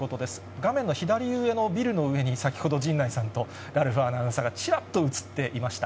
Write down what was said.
画面の左上のビルの上に、先ほど陣内さんとラルフアナウンサーがちらっと映っていました。